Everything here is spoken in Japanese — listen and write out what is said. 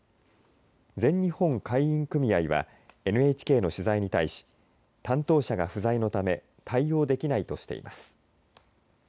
全日本海運組合はＮＨＫの取材に対し担当者が不在のため対応できないとしています。